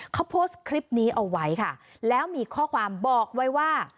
เขาโพสต์คลิปนี้เอาไว้ค่ะแล้วมีข้อความบอกไว้ว่า